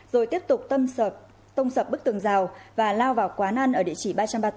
rồi tiếp tục tâm tông sập bức tường rào và lao vào quán ăn ở địa chỉ ba trăm ba mươi bốn